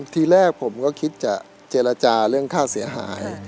ทีแรกผมก็คิดจะเจรจาเรื่องค่าเสียหาย